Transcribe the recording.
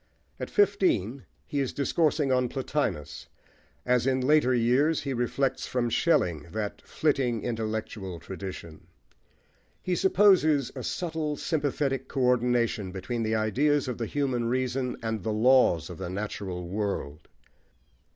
At fifteen he is discoursing on Plotinus, as in later years he reflects from Schelling that flitting intellectual tradition. He supposes a subtle, sympathetic co ordination between the ideas of the human reason and the laws of the natural world.